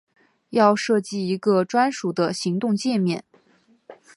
要设计一个专属的行动介面